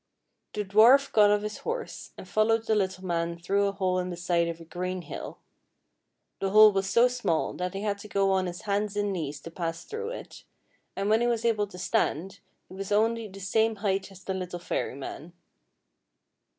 The dwarf got off his horse and followed the little man through a hole in the side of a green hill. The hole was so small that he had to go on his hands and knees to pass through it, and when he was able to stand he was only the same height as the little fairyman.